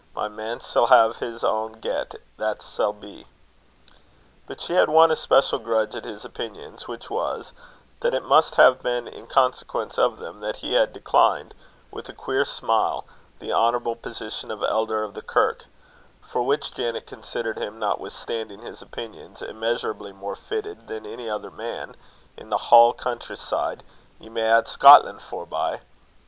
My man sall hae his ain get, that sall he." But she had one especial grudge at his opinions; which was, that it must have been in consequence of them that he had declined, with a queer smile, the honourable position of Elder of the Kirk; for which Janet considered him, notwithstanding his opinions, immeasurably more fitted than any other man "in the haill country side ye may add Scotlan' forby."